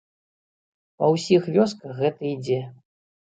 Па ўсіх вёсках гэта ідзе.